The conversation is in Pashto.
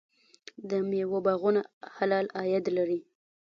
د میوو باغونه حلال عاید لري.